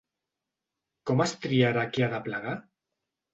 Com es triarà qui ha de plegar?